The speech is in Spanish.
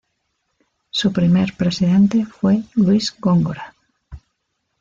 Su primer presidente fue Luis Góngora.